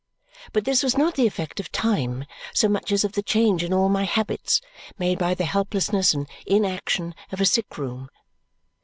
But this was not the effect of time so much as of the change in all my habits made by the helplessness and inaction of a sick room.